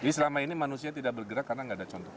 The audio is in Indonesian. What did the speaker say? jadi selama ini manusia tidak bergerak karena tidak ada contoh